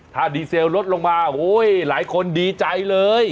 ถ้าดีเซลลดลงมาโอ้ยหลายคนดีใจเลย